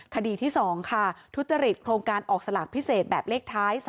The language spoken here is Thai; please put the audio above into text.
คดีที่๒ค่ะทุจริตโครงการออกสลากพิเศษแบบเลขท้าย๓๒